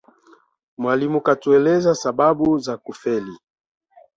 Mwalimu kantueleza sababu za kufeli